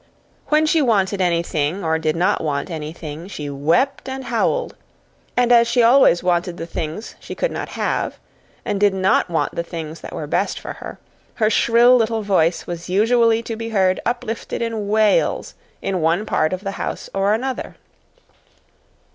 When she wanted anything or did not want anything she wept and howled; and, as she always wanted the things she could not have, and did not want the things that were best for her, her shrill little voice was usually to be heard uplifted in wails in one part of the house or another.